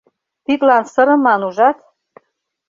Тидлан сырыман, ужат?